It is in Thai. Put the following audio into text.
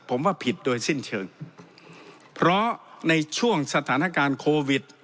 ผมว่าผิดโดยสิ้นเชิงเพราะในช่วงสถานการณ์โควิด